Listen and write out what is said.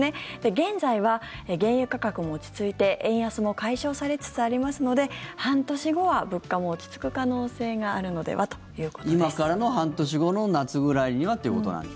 現在は原油価格も落ち着いて円安も解消されつつありますので半年後は物価も落ち着く可能性があるのではということです。